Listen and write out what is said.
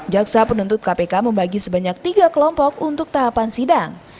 jaksa penuntut kpk membagi sebanyak tiga kelompok untuk tahapan sidang